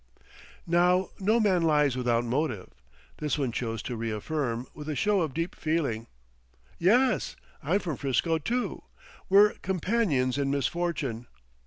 Now no man lies without motive. This one chose to reaffirm, with a show of deep feeling: "Yes; I'm from Frisco, too. We're companions in misfortune."